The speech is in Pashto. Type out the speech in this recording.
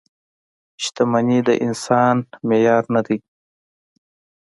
• شتمني د انسانیت معیار نه دی.